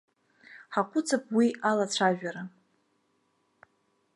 Ҳаҟәыҵып уи алацәажәара.